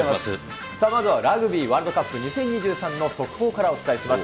まずはラグビーワールドカップ２０２３の速報からお伝えします。